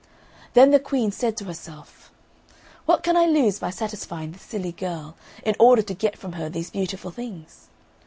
Then the Queen said to herself, "What can I lose by satisfying this silly girl, in order to get from her these beautiful things?"